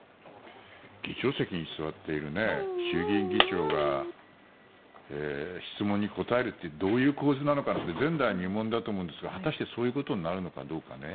議長席に座っている衆議院議長が質問に答えるってどういう構図なのかなって前代未聞だと思うんですが果たしてそういうことになるのかどうか。